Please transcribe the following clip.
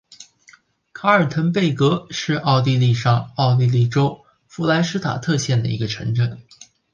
卡尔滕贝格是奥地利上奥地利州弗赖施塔特县的一个市镇。